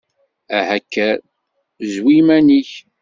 Aha kker, zwi iman-ik!